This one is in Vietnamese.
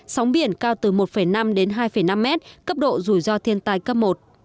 sóng biển cao từ một năm hai năm m cấp độ rủi ro thiên tai cấp một